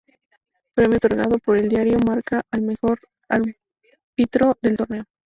Premio otorgado por el Diario Marca al mejor árbitro del torneo.